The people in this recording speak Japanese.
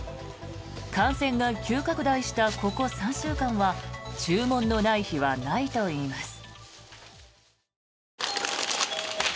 感染が急拡大した、ここ３週間は注文のない日はないといいます。